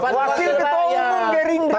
wakil ketua umum geringda